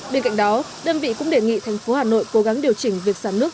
bên cạnh đó đơn vị cũng đề nghị thành phố hà nội cố gắng điều chỉnh việc xả nước